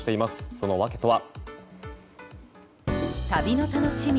その訳とは。